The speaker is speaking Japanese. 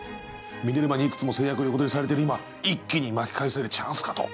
ミネルヴァにいくつも成約横取りされてる今一気に巻き返せるチャンスかと。